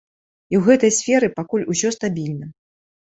І ў гэтай сферы пакуль усё стабільна.